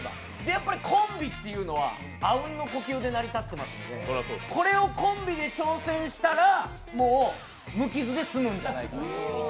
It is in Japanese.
やっぱりコンビっていうのは、あうんの呼吸で成り立ってますのでこれをコンビで挑戦したらもう無傷で済むんじゃないか。